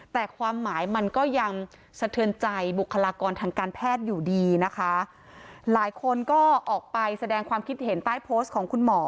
แต่ความหมายมันก็ยังสะเทือนใจบุคลากรทางการแพทย์อยู่ดีนะคะหลายคนก็ออกไปแสดงความคิดเห็นใต้โพสต์ของคุณหมอ